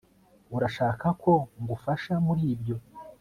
urashaka ko ngufasha muri ibyo